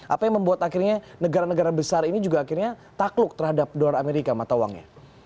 apa yang membuat akhirnya negara negara besar ini juga akhirnya takluk terhadap dolar amerika mata uangnya